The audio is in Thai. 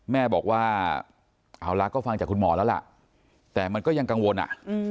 แม่บอกว่าเอาละก็ฟังจากคุณหมอแล้วล่ะแต่มันก็ยังกังวลอ่ะ